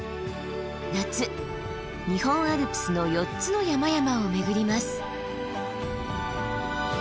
夏日本アルプスの４つの山々を巡ります。